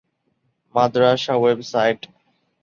Madrasa website